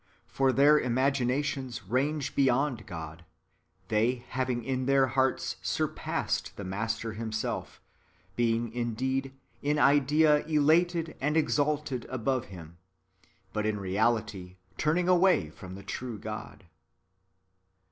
For their imagina tions range beyond God, they having in their hearts sur passed the Master Himself, being indeed in idea elated and exalted above [Him], but in reality turning away from the true God.